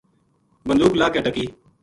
بندوق لاہ کے ٹَکی